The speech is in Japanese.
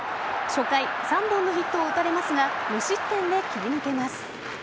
初回３本のヒットを打たれますが無失点で切り抜けます。